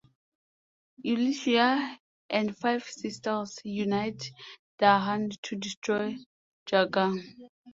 Ulicia and five sisters unite their Han to destroy Jagang.